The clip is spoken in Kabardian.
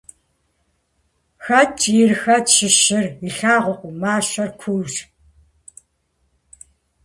Хэт кӀийр, хэт щыщыр - илъагъуркъым, мащэр куущ.